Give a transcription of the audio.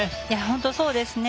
本当にそうですね。